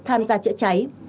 tham gia trợ cháy